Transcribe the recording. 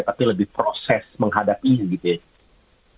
tapi lebih proses menghadapi gitu ya